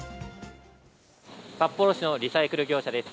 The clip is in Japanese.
札幌市のリサイクル業者です。